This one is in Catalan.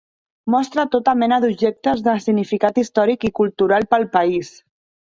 Mostra tota mena d'objectes de significat històric i cultural pel país.